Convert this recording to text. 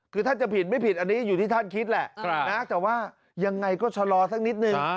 คือท่านจะผิดไม่ผิดอันนี้อยู่ที่ท่านคิดแหละนะแต่ว่ายังไงก็ชะลอสักนิดนึง